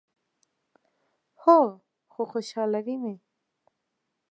هو، خو خوشحالوي می